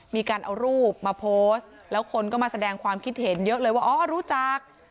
มีการเอารูปมาโพสต์แล้วคนก็มาแสดงความคิดเห็นเยอะเลยว่าอ๋อรู้จัก